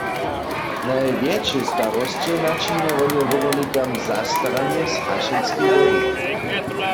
Najwjetše starosće načinja wohnjowym wobornikam zastaranje z hašenskej wodu.